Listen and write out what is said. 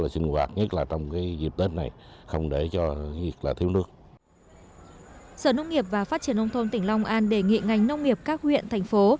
sở nông nghiệp và phát triển nông thôn tỉnh long an đề nghị ngành nông nghiệp các huyện thành phố